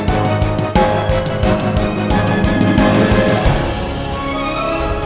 oh anak mama